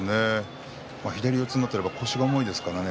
左四つになりますと腰が重たいですからね。